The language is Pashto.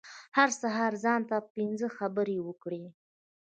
هر سهار ځان ته پنځه خبرې وکړئ .